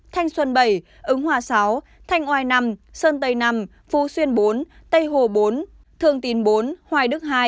thanh xuân bảy ứng hòa sáu thanh oai năm sơn tây năm phú xuyên bốn tây hồ bốn thương tín bốn hoài đức hai